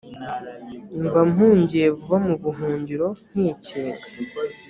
mba mpungiye vuba mu buhungiro nkikinga